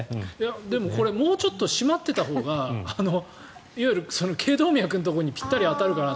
でも、もうちょっと締まってたほうがいわゆる頸動脈のところにぴったり当たるから。